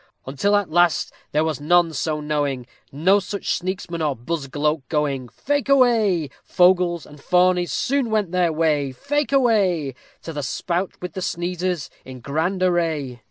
_ Until at last there was none so knowing, No such sneaksman or buzgloak going. Fake away. Fogles and fawnies soon went their way, Fake away, To the spout with the sneezers in grand array.